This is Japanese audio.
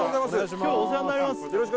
今日お世話になります